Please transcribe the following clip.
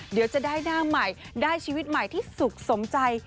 เดี๋ยวจะได้หน้าใหม่ได้ชีวิตใหม่ที่สุขสมใจ